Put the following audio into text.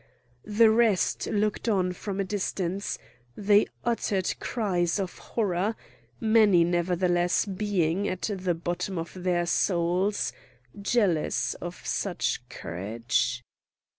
The rest looked on from a distance; they uttered cries of horror;—many, nevertheless, being, at the bottom of their souls, jealous of such courage.